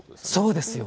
そうですよ！